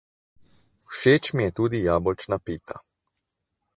Všeč mi je tudi jabolčna pita.